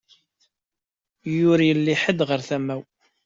Ur yelli ḥed ɣer tama-w.